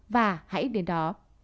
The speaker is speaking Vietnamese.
và hãy đến đó